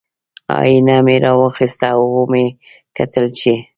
ائینه مې را واخیسته او ومې کتل چې